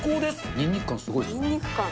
ニンニク感、すごいですね。